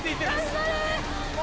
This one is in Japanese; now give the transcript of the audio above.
頑張れ！